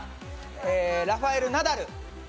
ラファエル・ナダル。